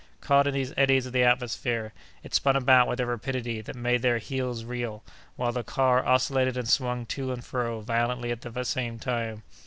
Caught in these eddies of the atmosphere, it spun about with a rapidity that made their heads reel, while the car oscillated and swung to and fro violently at the same time.